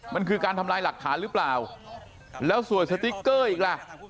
มันคือการทำลายหลักฐานหรือเปล่าแล้วสวยสติ๊กเกอร์อีกล่ะ